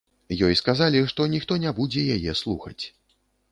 Ёй сказалі, што ніхто не будзе яе слухаць.